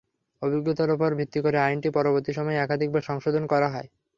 অভিজ্ঞতার ওপর ভিত্তি করে আইনটি পরবর্তী সময়ে একাধিকবার সংশোধন করা হয়।